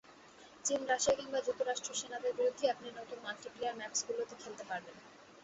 চীন, রাশিয়া কিংবা যুক্তরাষ্ট্রের সেনাদের বিরুদ্ধেই আপনি নতুন মাল্টিপ্লেয়ার ম্যাপসগুলোতে খেলতে পারবেন।